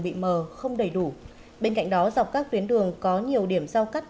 bị mờ không đầy đủ bên cạnh đó dọc các tuyến đường có nhiều điểm giao cắt